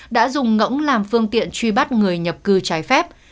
đã dùng ngẫug làm phương tiện truy bắt người nhập cư trái phép